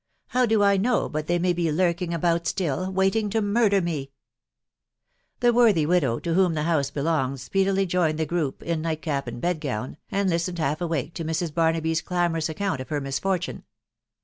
. How do I know but they may be lurking about still, waiting to murder me ?" The worthy widow to whom the house belonged speedO? joined the group in nightcap and bedgown, and listened half awake to Mrs. Barnaby's clamorous account of her misfortune.